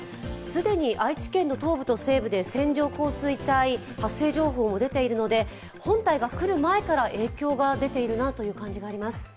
既に愛知県の東部と西部で線状降水帯発生情報も出ているので本体が来る前から影響が出ているなという感じがあります。